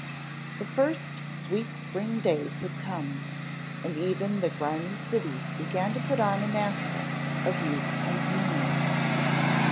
_ THE first sweet spring days had come, and even the grimy city began to put on an aspect of youth and newness.